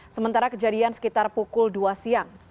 sementara kejadian sekitar pukul dua siang